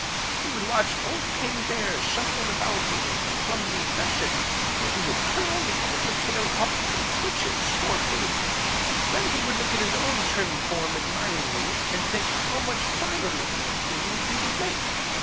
"He would watch old King Bear shuffling about in his clumsy fashion, and he would curl the end of his tail up and twitch it scornfully. Then he would look at his own trim form admiringly and think how much finer looking a king he would make.